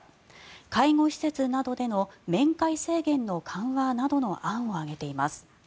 介護施設などでの面会制限の緩和などの案を挙げています。